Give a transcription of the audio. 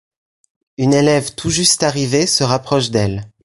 Une élève tout juste arrivée se rapproche d'elle.